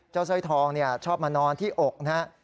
เจ้าสร้อยทองเนี่ยชอบมานอนที่อกนะฮะ